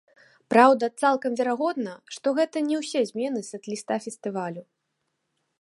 Праўда, цалкам верагодна, што гэта не усе змены сэт-ліста фестывалю.